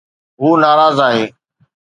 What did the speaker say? هو ناراض آهي